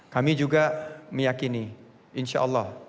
kami juga meyakini insya allah